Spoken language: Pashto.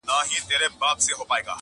په ما ښکلي په نړۍ کي مدرسې دي-